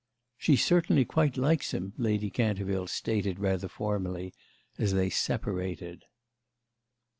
"She certainly quite likes him," Lady Canterville stated rather formally as they separated.